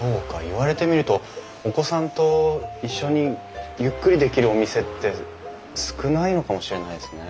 言われてみるとお子さんと一緒にゆっくりできるお店って少ないのかもしれないですね。